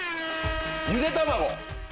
ゆで卵！